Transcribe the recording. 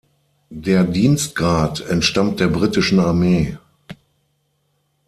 Der Dienstgrad entstammt der britischen Armee.